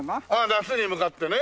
夏に向かってね。